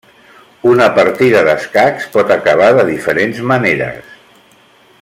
Una partida d'escacs pot acabar de diferents maneres.